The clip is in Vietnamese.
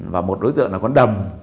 và một đối tượng là con đầm